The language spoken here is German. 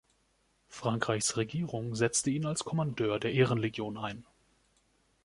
Frankreichs Regierung setzte ihn als Kommandeur der Ehrenlegion ein.